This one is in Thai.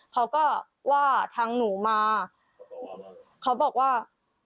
เขาก็ว่าทางหนูมาเขาบอกว่า